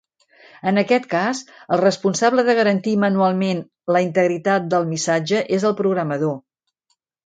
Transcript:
En aquest cas, el responsable de garantir manualment la integritat del missatge és el programador.